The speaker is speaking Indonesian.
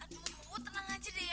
aduh tenang aja deh ya